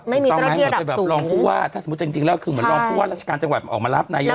ต้องไหมเหมือนเป็นแบบรองผู้ว่าถ้าสมมุติจริงแล้วคือเหมือนรองผู้ว่าราชการจังหวัดออกมารับนายก